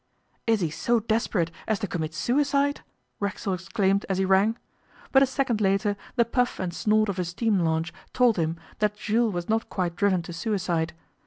'Is he so desperate as to commit suicide?' Racksole exclaimed as he ran, but a second later the puff and snort of a steam launch told him that Jules was not quite driven to suicide.